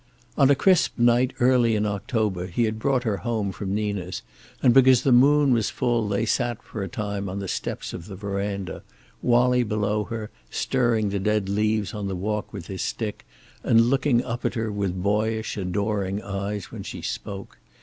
On a crisp night early in October he had brought her home from Nina's, and because the moon was full they sat for a time on the steps of the veranda, Wallie below her, stirring the dead leaves on the walk with his stick, and looking up at her with boyish adoring eyes when she spoke.